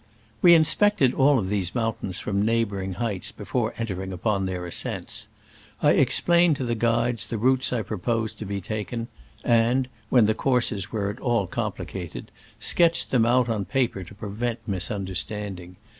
We inspected all of these mountains from neighboring heights before enter ing upon their ascents. I explained to the guides the routes I proposed to be taken, and (when the courses were at all complicated) sketched them out on paper to prevent misunderstanding.